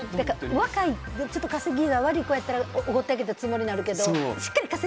若い分、稼ぎが悪い子やったらおごってあげたつもりになるけど。